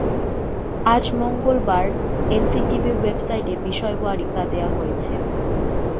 আজ মঙ্গলবার এনসিটিবির ওয়েবসাইটে বিষয়ওয়ারি তা দেওয়া হয়েছে।